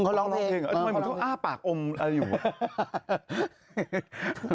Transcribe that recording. เออเขาร้องเพลงทำไมเหมือนเขาอ้าปากอมอะไรอยู่อ่ะ